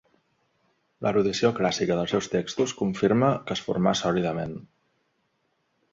L'erudició clàssica dels seus texts confirma que es formà sòlidament.